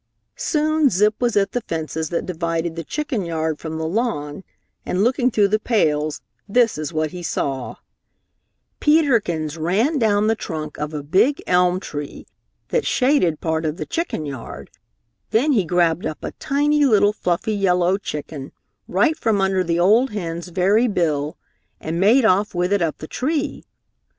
Soon Zip was at the fence that divided the chicken yard from the lawn, and looking through the pales, this is what he saw: Peter Kins ran down the trunk of a big elm tree that shaded part of the chicken yard, then he grabbed up a tiny little fluffy yellow chicken right from under the old hen's very bill, and made off with it up the tree.